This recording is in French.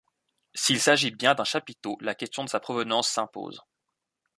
S'il s'agit bien d'un chapiteau, la question de sa provenance s'impose.